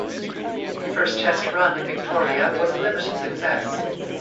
The first test run of Victoria was a limited success.